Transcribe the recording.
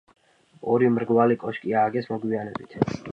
ორი მრგვალი კოშკი ააგეს მოგვიანებით.